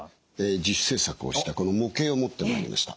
自主製作をしたこの模型を持ってまいりました。